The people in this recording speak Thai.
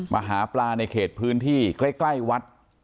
หาปลาในเขตพื้นที่ใกล้วัด